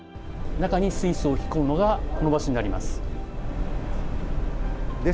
中に水素を吹き込むのがこの場所になります。